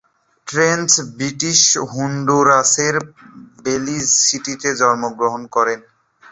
Trench British হন্ডুরাসের Belize সিটিতে জন্মগ্রহণ করেন।